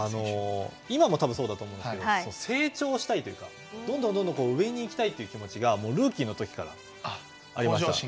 今もそうだと思いますが成長したいというかどんどん上に行きたいという気持ちがルーキーの時からありました。